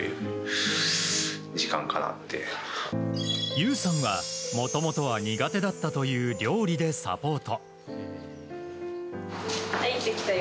優さんはもともとは苦手だったという料理でサポート。